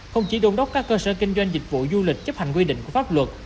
không chỉ đôn đốc các cơ sở kinh doanh dịch vụ du lịch chấp hành quy định của pháp luật